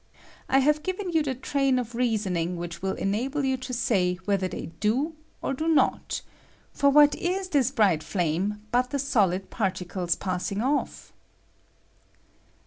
I have given you the train of reasoning which will enable you to say whether they do or do not ; for what is this bright flame bat the solid particles pass ing off